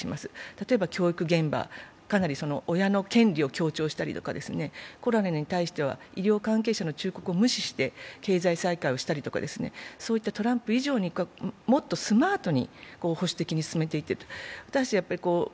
例えば教育現場、親の権利を強調したりとか、コロナに対しては医療関係者の忠告を無視して経済再開をしたりとか、そういったトランプ以上に、もっとスマートに保守的に染めていってる。